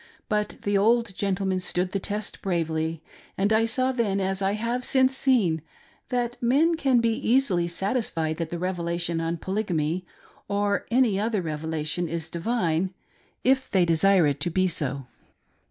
But the old gentleman stood fhe test bravely, and I saw then, as I have seen since, that men can be easily satisfied that the Revelation on Polygamy, or any other revelation, is divine, if they desire it to be so.